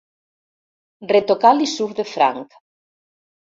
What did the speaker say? Retocar li surt de franc.